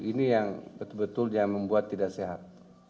ini yang betul betul yang membuat tidak sehat